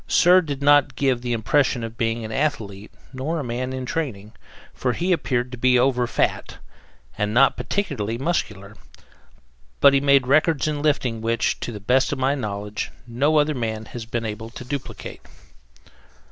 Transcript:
Cyr did not give the impression of being an athlete, nor of a man in training, for he appeared to be over fat and not particularly muscular; but he made records in lifting which, to the best of my knowledge, no other man has been able to duplicate.